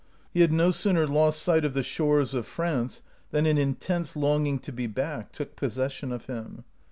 He had no sooner lost sight of the shores of France than an intense longing to be back took possession of him.